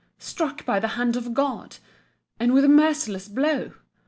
Struck by the hand of God! and with a merciless blow!